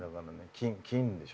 金でしょ